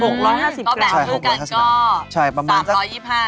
หกร้อยห้าสิบกรัมก็แบ่งพื้นกันก็ใช่ประมาณสักสามร้อยยิบห้า